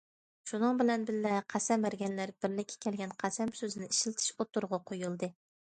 شۇنىڭ بىلەن بىللە قەسەم بەرگەنلەر بىرلىككە كەلگەن قەسەم سۆزىنى ئىشلىتىش ئوتتۇرىغا قويۇلدى.